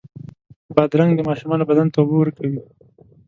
بادرنګ د ماشومانو بدن ته اوبه ورکوي.